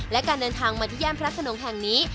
และการเดินทางมาที่ย่านพระขนงแห่งนี้